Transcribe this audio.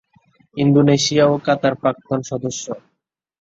Indonesia ও Qatar প্রাক্তন সদস্য।